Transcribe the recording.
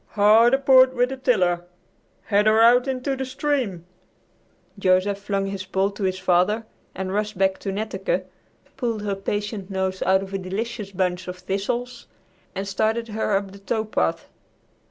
"Hard aport with the tiller! Head her out into the stream!" Joseph flung his pole to his father and rushed back to Netteke, pulled her patient nose out of a delicious bunch of thistles and started her up the tow path.